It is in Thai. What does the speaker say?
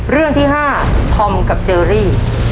เรื่องที่๕ธอมกับเจอรี่